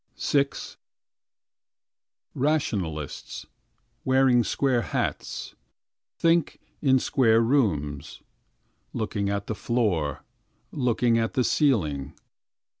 VI Rationalists, wearing square hats. Think, in square rooms. Looking at the floor. Looking at the ceiling.